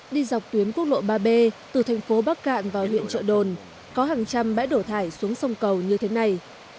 đi dọc tuyến quốc lộ ba b từ thành phố bắc cạn vào huyện trợ đồn có hàng trăm bãi đổ thải xuống sông cầu như thế này